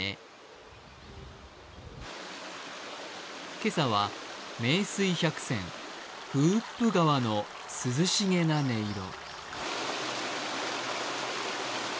今朝は名水百選、風布川の涼しげな音色。